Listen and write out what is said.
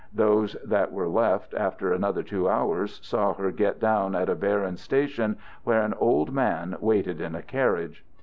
Those that were left after another two hours saw her get down at a barren station where an old man waited in a carriage.